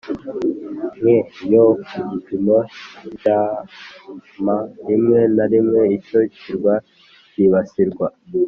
nke yo ku gipimo cya mm Rimwe na rimwe icyo kirwa cyibasirwa